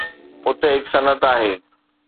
اتي هڪ صنعت آهي.